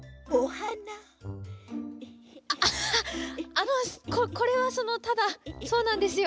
あのここれはそのただそうなんですよ。